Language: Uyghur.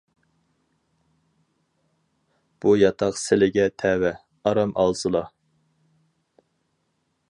بۇ ياتاق سىلىگە تەۋە، ئارام ئالسىلا.